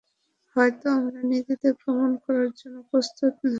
হয়তো আমরা নিজেদের প্রমাণ করার জন্য প্রস্তুত না।